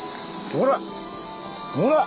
ほら！